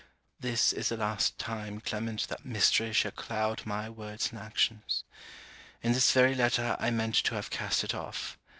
This is the last time, Clement, that mystery shall cloud my words and actions. In this very letter I meant to have cast it off.